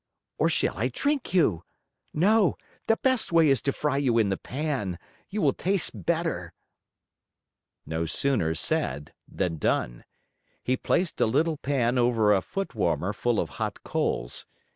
Or shall I drink you? No, the best way is to fry you in the pan. You will taste better." No sooner said than done. He placed a little pan over a foot warmer full of hot coals.